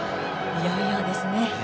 いよいよですね。